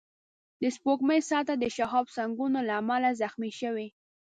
د سپوږمۍ سطحه د شهابسنگونو له امله زخمي شوې